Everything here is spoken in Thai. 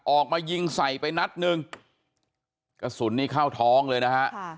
ออกมายิงใส่ไปนัดหนึ่งกระสุนนี่เข้าท้องเลยนะฮะ